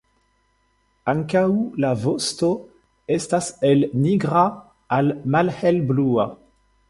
Ankaŭ la vosto estas el nigra al malhelblua.